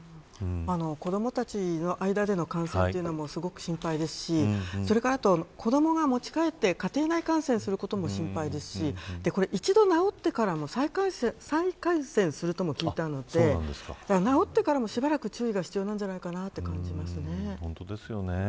子どもたちの間での感染というのもすごく心配ですしそれから、子どもが持ち帰って家庭内感染することも心配ですし再感染するとも聞いたので治ってからも、しばらく注意が必要だと感じます。